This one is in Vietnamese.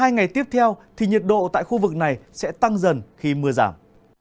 hai ngày tiếp theo thì nhiệt độ tại khu vực này sẽ tăng dần khi mưa giảm